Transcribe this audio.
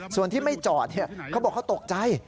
ส่วนที่ไม่จอดเขาบอกเขาตกใจ